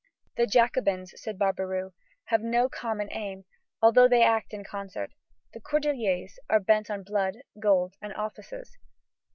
"The Jacobins," said Barbaroux, "have no common aim, although they act in concert. The Cordeliers are bent on blood, gold, and offices."